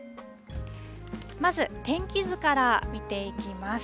まず天気図から見ていきます。